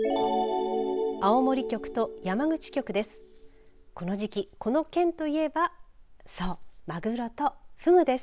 青森局と山口局です。